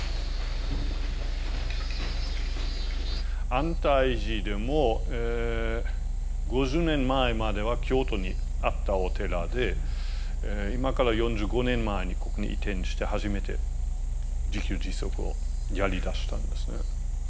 安泰寺でも５０年前までは京都にあったお寺で今から４５年前にここに移転して初めて自給自足をやりだしたんですね。